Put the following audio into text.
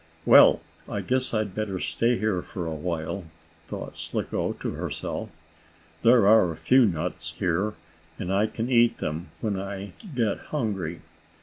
"Well, I guess I'd better stay here for a while," thought Slicko to herself. "There are a few nuts here, and I can eat them when I get hungry.